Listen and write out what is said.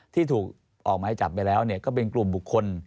ที่ถูกออกไม้จับไปแล้วก็เป็นกลุ่มบุคคล